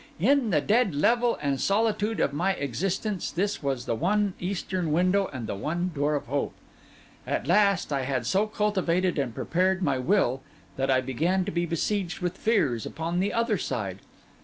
In the dead level and solitude of my existence, this was the one eastern window and the one door of hope. At last, I had so cultivated and prepared my will, that I began to be besieged with fears upon the other side.